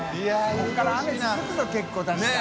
ここから雨続くぞ結構確か。